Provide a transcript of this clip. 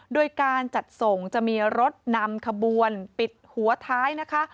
โดยการจัดส่งจะมีรถนำขบวนปิดหัวท้ายนะคะ